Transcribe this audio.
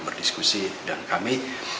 berdiskusi dan kami